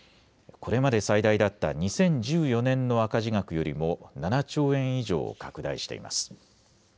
これまで最大だった２０１４年の赤字額よりも７兆円以上拡大しています。